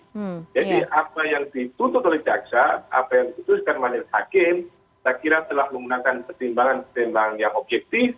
jadi apa yang diputuh oleh jaksa apa yang diputuhkan majelis hakim saya kira telah menggunakan pertimbangan pertimbangan yang objektif